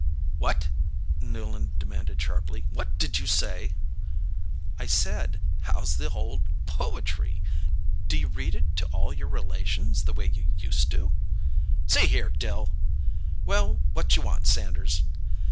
"What?" Newland demanded sharply. "What did you say?" "I said: 'How's the ole poetry?' Do you read it to all your relations the way you used to?" "See here, Dill!" "Well, what you want, Sanders?"